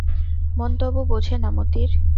মন তবু বোঝে না মতির।